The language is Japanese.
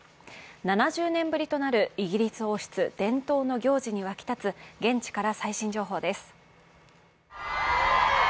７０年ぶりとなるイギリス王室伝統の行事に沸き立つ現地から最新情報です。